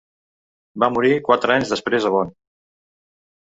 Va morir quatre anys després a Bonn.